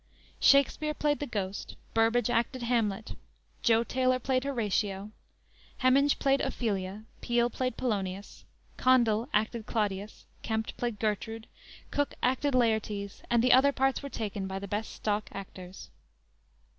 Shakspere played the Ghost, Burbage acted Hamlet, Jo Taylor played Horatio, Heminge played Ophelia, Peele played Polonius, Condell acted Claudius, Kempt played Gertrude, Cooke acted Laertes, and the other parts were taken by the best stock actors.